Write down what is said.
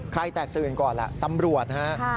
ใครแตกตื่นก่อนล่ะตำรวจนะครับ